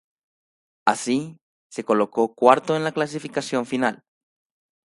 Así, se colocó cuarto en la clasificación final.